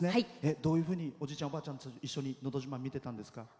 どういうふうにおじいちゃん、おばあちゃんと一緒に「のど自慢」を見てたんですか？